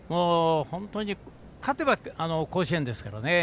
本当に勝てば甲子園ですからね。